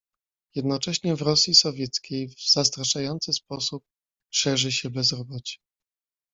"Jednocześnie w Rosji Sowieckiej w zastraszający sposób szerzy się bezrobocie."